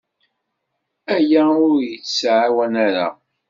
Aya ur k-yettɛawan ara.